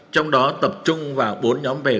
trong đó tập trung vào bốn nhóm bề